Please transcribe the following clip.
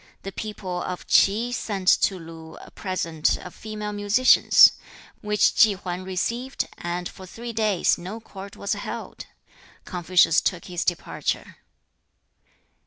The people of Ch'i sent to Lu a present of female musicians, which Chi Hwan received, and for three days no court was held. Confucius took his departure.